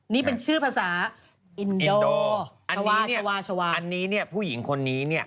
นี่เป็นชื่อภาษาอันนี้เนี่ยผู้หญิงคนนี้เนี่ย